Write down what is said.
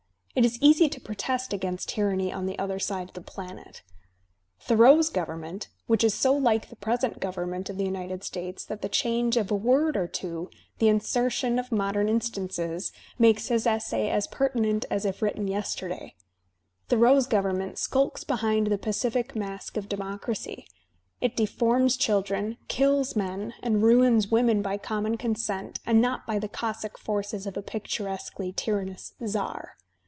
It is easy to protest against tyranny on the other side of the planet. Thoreau's government (which is so like the present government of the United States that the change of a word or two, the insertion of modem instances, makes his essay as pertinent as if written yesterday) — Thoreau's government skulks behind the pacific mask of democracy; it deforms children, kills men and ruins women by conmion consent and not by the cossack forces of a picturesquely tyrannous Czar.